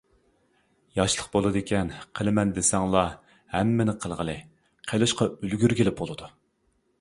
ياشلىق بولىدىكەن، قىلىمەن دېسەڭلا ھەممىنى قىلغىلى، قىلىشقا ئۈلگۈرگىلى بولىدۇ.